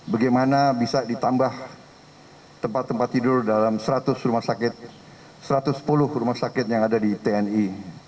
bagaimana bisa ditambah tempat tempat tidur dalam satu ratus sepuluh rumah sakit yang ada di tni